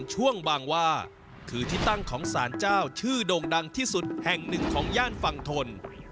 พรุ่งบังว่าคือที่ตั้งของสารเจ้าชื่อดวงดังที่สุดแห่ง๑ของย่านฟังธล